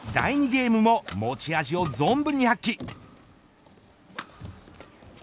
ゲームも持ち味を存分に発揮。